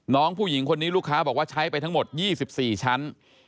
น้องผู้หญิงคนนี้ลูกค้าบอกว่าใช้ไปทั้งหมด๒๔ชั้น